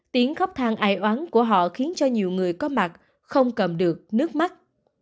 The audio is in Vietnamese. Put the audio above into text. tiếng khóc than ái oán của họ khiến cho nhiều người có mặt không cầm được nước mắt